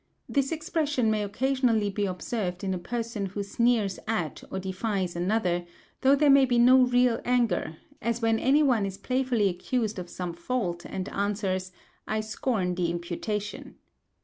This expression may occasionally be observed in a person who sneers at or defies another, though there may be no real anger; as when any one is playfully accused of some fault, and answers, "I scorn the imputation."